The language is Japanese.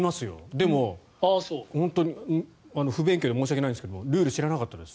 でも、不勉強で申し訳ないですがルール、知らなかったです。